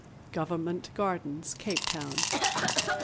GOVERNMENT GARDENS, CAPE TOWN.